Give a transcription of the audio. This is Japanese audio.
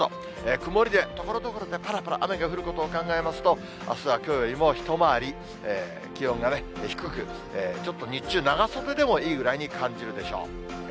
曇りで、ところどころでぱらぱら雨が降ることを考えますと、あすはきょうよりも一回り、気温が低く、ちょっと日中、長袖でもいいぐらいに感じるでしょう。